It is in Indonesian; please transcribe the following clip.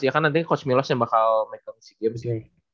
ya kan nanti coach milos yang bakal make up si game sih